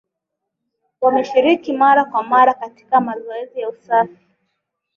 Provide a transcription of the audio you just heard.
Wameshiriki mara kwa mara katika mazoezi ya usafi